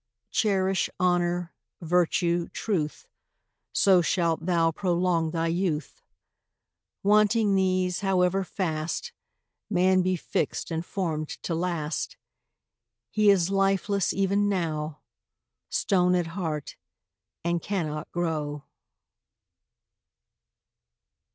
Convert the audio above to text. Cherish honour, virtue, truth, So shalt thou prolong thy youth. Wanting these, however fast Man be fix'd and form'd to last, He is lifeless even now, Stone at heart, and cannot grow.